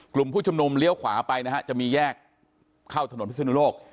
กลุ่มผู้ชุมนุมเลี้ยวขวาไปนะฮะจะมีแยกเข้าถนนพิศนุโลก